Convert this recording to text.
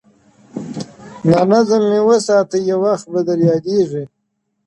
• دا نظم مي وساته یو وخت به در یادیږي -